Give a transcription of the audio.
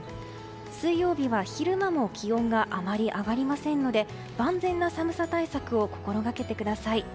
水曜日は昼間も気温があまり上がりませんので万全な寒さ対策を心がけてください。